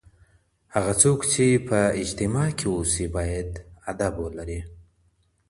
هغه څوک چي په اجتماع کي اوسي بايد ادب ولري.